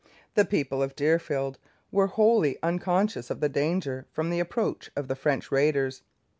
The people of Deerfield were wholly unconscious of the danger from the approach of the French raiders.